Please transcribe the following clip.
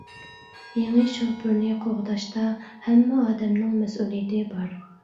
يېڭى شوپۇرنى قوغداشتا ھەممە ئادەمنىڭ مەسئۇلىيىتى بار.